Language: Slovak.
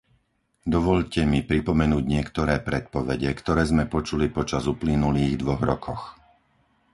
Dovoľte mi pripomenúť niektoré predpovede, ktoré sme počuli počas uplynulých dvoch rokoch.